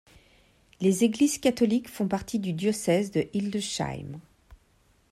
Les églises catholiques font partie du diocèse de Hildesheim.